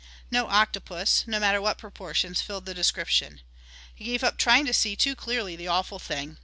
No octopus, no matter what proportions, filled the description. He gave up trying to see too clearly the awful thing.